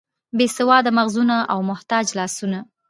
بې سواده مغزونه او محتاج لاسونه.